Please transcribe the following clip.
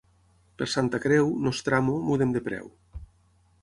Per Santa Creu, nostramo, mudem de preu.